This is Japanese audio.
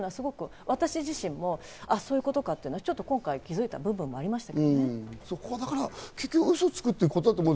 私自身もそういうことかと今回、気づいた部分もありました。